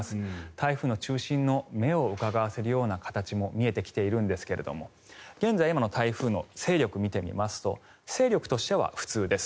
台風の中心の目をうかがわせるような形も見えてきているんですが現在の台風の勢力を見てみますと勢力としては普通です。